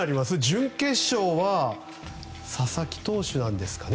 準決勝は佐々木投手なんですかね